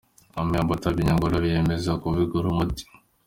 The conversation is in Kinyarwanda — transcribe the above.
Amy Ambatobe Nyongolo biyemeza kubivugutira umuti.